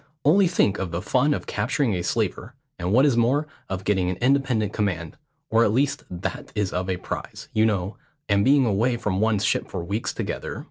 Only think of the fun of capturing a slaver, and what is more, of getting an independent command; or at least that is of a prize, you know, and being away from one's ship for weeks together.